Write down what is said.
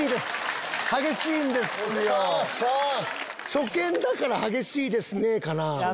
初見だから「激しいですね」かな。